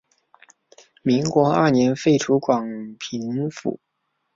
民国二年废除广平府。